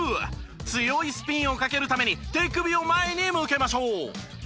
強いスピンをかけるために手首を前に向けましょう。